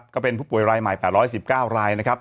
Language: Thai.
ก็เป็นผู้ป่วยรายใหม่๘๑๙รายนะครับ